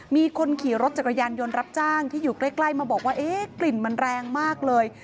มีคนขี่รถจักรยานยนต์รับจ้างที่อยู่ใกล้มาบอกว่าเอ๊ะกลิ่นมันแรงมากเลย